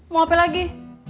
mau apa lagi